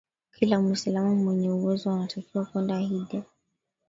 kila muislamu mwenye uwezo anatakiwa kwenda hijja